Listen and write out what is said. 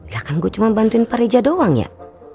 jangan gua cuma bantuin pak reja doang ya